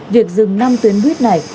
việc dừng năm tuyến buýt này